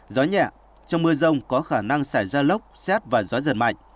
gió nhẹ trong mưa rông có khả năng xảy ra lốc xét và gió giật mạnh